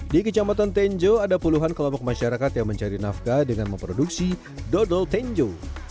di kecamatan tenjo ada puluhan kelompok masyarakat yang mencari nafkah dengan memproduksi dodol tenjo